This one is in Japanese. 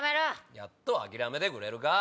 やっと諦めてくれるか。